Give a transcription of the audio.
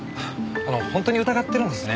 あの本当に疑ってるんですね。